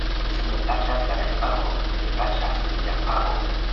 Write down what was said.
Se ne plaĉas la najbaro, ne plaĉas lia faro.